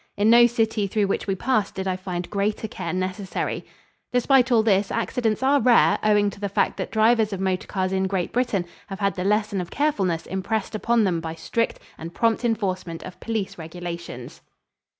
In no city through which we passed did I find greater care necessary. Despite all this, accidents are rare, owing to the fact that drivers of motor cars in Great Britain have had the lesson of carefulness impressed upon them by strict and prompt enforcement of police regulations.